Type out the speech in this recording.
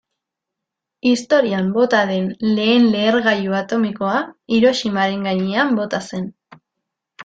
Historian bota den lehen lehergailu atomikoa Hiroshimaren gainean bota zen.